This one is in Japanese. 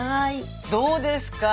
どうですか？